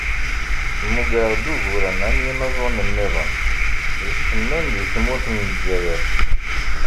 Mmugreɣ-d uguren am yinaẓuren-nniḍen, icennun deg tmurt n Lezzayer.